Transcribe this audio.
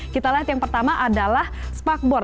kita lihat yang pertama adalah sparkboard